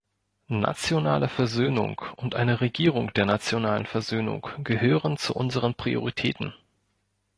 Nationale Versöhnung und eine Regierung der nationalen Versöhnung gehören zu unseren Prioritäten.